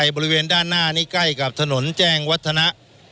บริเวณด้านหน้านี้ใกล้กับถนนแจ้งวัฒนะ